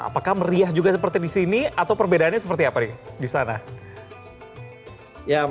apakah meriah juga seperti di sini atau perbedaannya seperti apa nih di sana